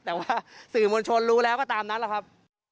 แต่ว่าสื่อมวลชนรู้แล้วก็ตามนั้นแหละครับ